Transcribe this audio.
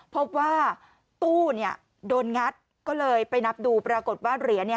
พบว่าตู้โดนงัดก็เลยไปนับดูปรากฏว่าเหรียญ